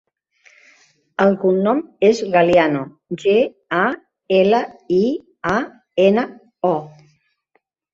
El cognom és Galiano: ge, a, ela, i, a, ena, o.